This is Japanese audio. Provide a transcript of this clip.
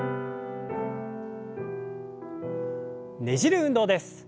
ねじる運動です。